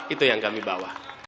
itu yang kami bawa